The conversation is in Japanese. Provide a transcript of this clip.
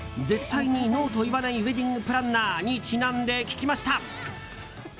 絶対にＮＯと言わないウェディングプランナーにちなんで聞きました。